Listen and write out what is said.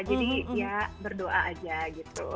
jadi ya berdoa aja gitu